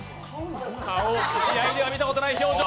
顔、試合では見たことない表情。